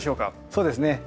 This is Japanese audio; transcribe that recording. そうですね